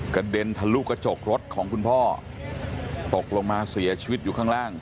กระเด็นทะลุกระจกรถของคุณพ่อตกลงมาเสียชีวิตอยู่ข้างล่าง